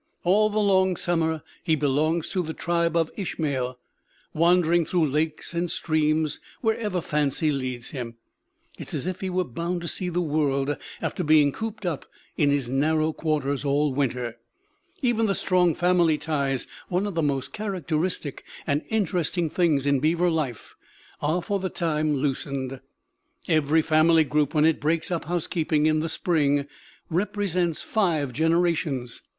All the long summer he belongs to the tribe of Ishmael, wandering through lakes and streams wherever fancy leads him. It is as if he were bound to see the world after being cooped up in his narrow quarters all winter. Even the strong family ties, one of the most characteristic and interesting things in beaver life, are for the time loosened. Every family group when it breaks up housekeeping in the spring represents five generations.